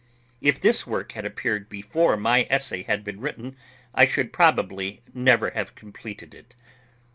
If this work had appeared before my essay had been written, I should probably never have completed it.